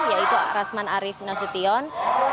yaitu rasman arief nasution